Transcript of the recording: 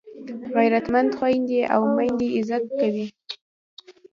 غیرتمند خویندي او میندې عزت کوي